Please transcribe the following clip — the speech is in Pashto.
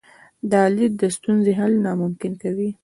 دا لید د ستونزې حل ناممکن کوي.